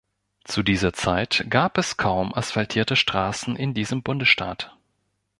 Zu dieser Zeit gab es kaum asphaltierte Straßen in diesem Bundesstaat.